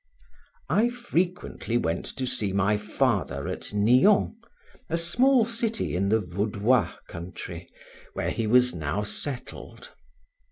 I frequently went to see my father at Nion, a small city in the Vaudois country, where he was now settled.